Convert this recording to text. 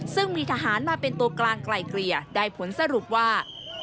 ซึ่งมีทหารมาเป็นตัวกลางไกลเกลี่ยได้ผลสรุปว่า